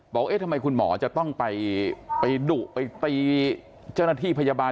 บอกว่าทำไมคุณหมอจะต้องไปดุไปตีเจราะนาธิพยาบาล